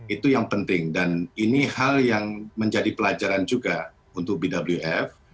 itu yang penting dan ini hal yang menjadi pelajaran juga untuk bwf